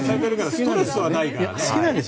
ストレスはないのかな。